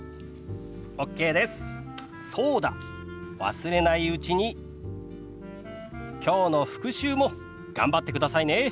忘れないうちにきょうの復習も頑張ってくださいね。